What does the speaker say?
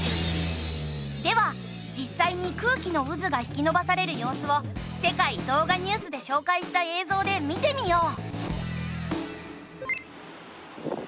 では実際に空気の渦が引き伸ばされる様子を『世界動画ニュース』で紹介した映像で見てみよう。